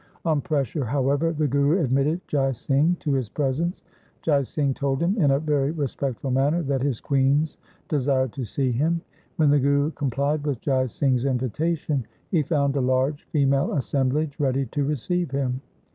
On pressure, however, the Guru admitted Jai Singh to his presence. Jai Singh told him in a very respectful manner that his queens desired to see him. When the Guru com plied with Jai Singh's invitation, he found a large female assemblage ready to receive him.